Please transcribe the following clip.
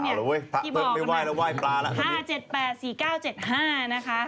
เอาล่ะเว้ยไม่ไหว้แล้วไหว้ปลาล่ะตอนนี้ที่บอก๕๗๘๔๙๗๕นะคะ